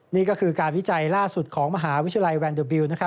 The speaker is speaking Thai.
นี่ก็คือการวิจัยล่าสุดของมหาวิทยาลัยแวนเดอร์บิล